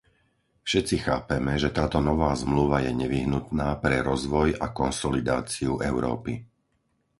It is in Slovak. Všetci chápeme, že táto nová zmluva je nevyhnutná pre rozvoj a konsolidáciu Európy.